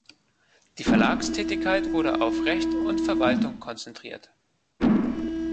Die Verlagstätigkeit wurde auf Recht und Verwaltung konzentriert.